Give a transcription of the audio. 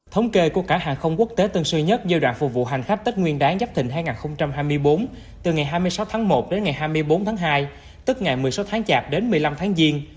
thống kê của cảng hàng không quốc tế tân sơn nhất giai đoạn phục vụ hành khách tết nguyên đáng giáp thịnh hai nghìn hai mươi bốn từ ngày hai mươi sáu tháng một đến ngày hai mươi bốn tháng hai tức ngày một mươi sáu tháng chạp đến một mươi năm tháng giêng